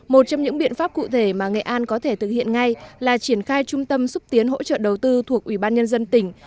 một trong những biện pháp cụ thể mà nghệ an có thể thực hiện ngay là triển khai trung tâm xúc tiến hỗ trợ đầu tư thuộc ủy ban nhân dân tỉnh